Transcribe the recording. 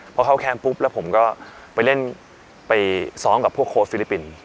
พอเข้าแคมป์ปุ๊บแล้วผมก็ไปเล่นไปซ้อมกับพวกโค้ฟิลิปปินส์